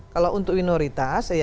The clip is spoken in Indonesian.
kalau untuk minoritas